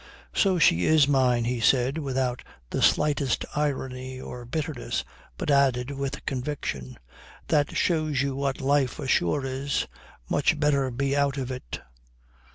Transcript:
"So she is mine," he said without the slightest irony or bitterness, but added with conviction: "That shows you what life ashore is. Much better be out of it."